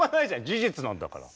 事実なんだから。